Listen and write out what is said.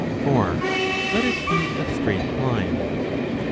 For let it be a straight line.